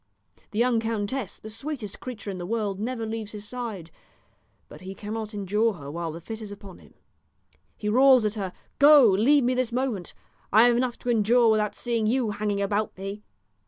The young countess, the sweetest creature in the world, never leaves his side; but he cannot endure her while the fit is upon him. He roars at her, 'Go, leave me this moment! I have enough to endure without seeing you hanging about me!'